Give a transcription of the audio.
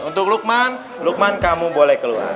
untuk lukman lukman kamu boleh keluar